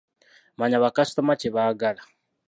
Manya bakasitoma kye baagala.